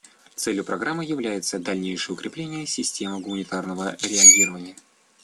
Целью программы является дальнейшее укрепление системы гуманитарного реагирования.